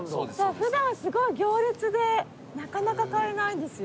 普段すごい行列でなかなか買えないんですよ。